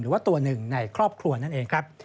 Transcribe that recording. หรือว่าตัวหนึ่งในครอบครัวนั่นเองครับ